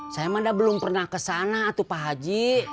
saya mah udah belum pernah ke sana atu pak haji